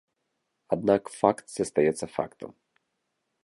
Аднак факт застаецца фактам.